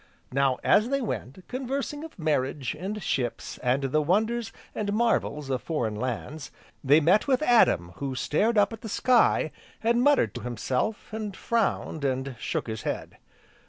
Now as they went, conversing of marriage, and ships, and the wonders, and marvels of foreign lands, they met with Adam who stared up at the sky and muttered to himself, and frowned, and shook his head.